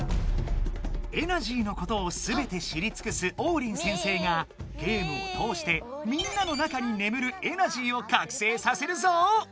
エナジーのことをすべて知りつくすオウリン先生がゲームをとおしてみんなの中にねむるエナジーをかくせいさせるぞ！